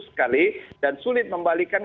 sekali dan sulit membalikan